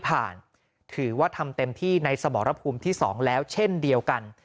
ถือว่าทำเต็มที่ในสมรภูมิที่๒แล้วเช่นเดียวกัน